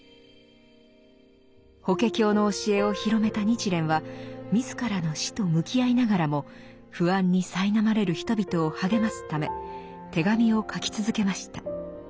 「法華経」の教えを広めた日蓮は自らの死と向き合いながらも不安にさいなまれる人々を励ますため手紙を書き続けました。